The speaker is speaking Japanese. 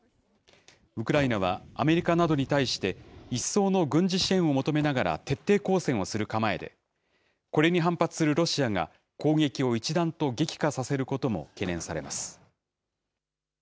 ウクライナは、アメリカなどに対して、一層の軍事支援を求めながら徹底抗戦をする構えで、これに反発するロシアが、攻撃を一段と激化させることも懸念されます。